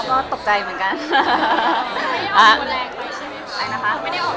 ไม่ได้ออกหัวแรงไปใช่มั้ยค่ะไม่ได้ออกหัวแรงไปใช่มั้ยค่ะ